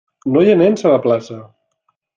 No hi ha nens a la plaça!